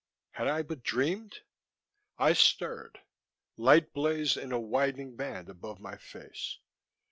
Had I but dreamed...? I stirred. Light blazed in a widening band above my face.